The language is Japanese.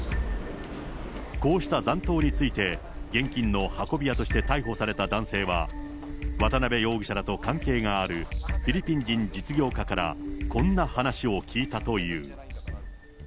こうした残党について、現金の運び屋として逮捕された男性は、渡辺容疑者らと関係があるフィリピン人実業家からこんな話を聞いたという。